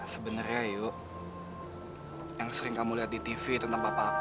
sebenarnya yuk yang sering kamu lihat di tv tentang papa aku